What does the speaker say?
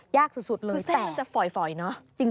ยากสุดเลยแต่คือเส้นก็จะฝอยเนอะ